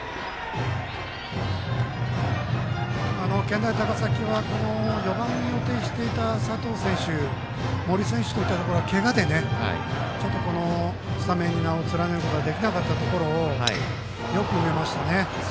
健大高崎はこの４番に予定していた佐藤選手森選手といったところがけがでスタメンに名を連ねることができなかったところをよく埋めましたね。